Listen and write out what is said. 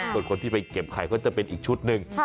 ส่วนคนที่ไปเก็บไข่ก็จะเป็นอีกชุดหนึ่ง